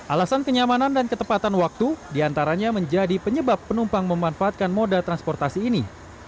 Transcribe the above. alasan kenyamanan dan ketepatan waktu diantaranya menjadi penyebab penumpang memanfaatkan moda transportasi ini